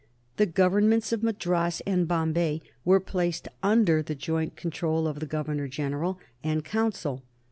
The Governments of Madras and Bombay were placed under the joint control of Governor General and Council.